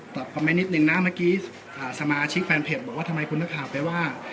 คอมเมนต์นิดนึงนะเมื่อกี้สมาชิกแฟนเพจบอกว่าทำไมคุณนักข่าวไปว่า